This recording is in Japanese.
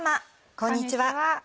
こんにちは。